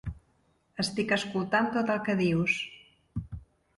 Estic escoltant tot el que dius.